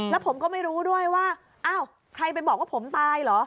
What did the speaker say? แล้วผมก็ไม่รู้ด้วยว่าอ้าวใครไปบอกว่าผมตายเหรอ